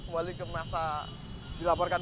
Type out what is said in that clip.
kembali ke masa dilaporkan